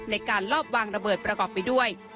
ในการลอบวางระเบิดประกอบไปด้วย